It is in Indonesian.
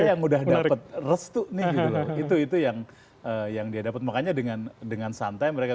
yang udah dapat restu nih itu itu yang yang dia dapat makanya dengan dengan santai mereka